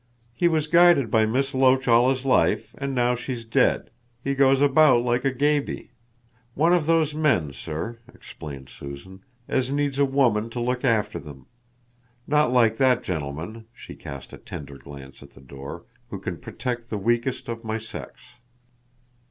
He was guided by Miss Loach all his life, and now she's dead, he goes about like a gaby. One of those men, sir," explained Susan, "as needs a woman to look after them. Not like that gentleman," she cast a tender glance at the door, "who can protect the weakest of my sex."